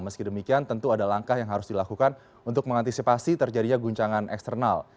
meski demikian tentu ada langkah yang harus dilakukan untuk mengantisipasi terjadinya guncangan eksternal